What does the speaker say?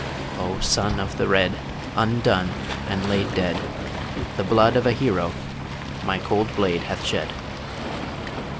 O Son of The Red, Undone and laid dead The blood of a hero My cold blade hath shed.